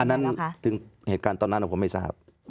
นั้นถึงเหตุการณ์ตอนนั้นผมไม่ทราบ